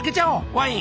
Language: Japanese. ワイン！